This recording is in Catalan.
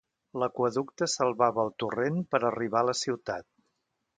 L'aqüeducte salvava el torrent per arribar a la ciutat.